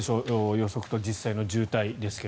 予測と実際の渋滞ですが。